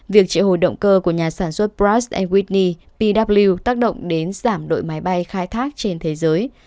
việc triệu hồi động cơ của nhà sản xuất braz abidney pw tác động đến giảm đội máy bay khai thác trên thế giới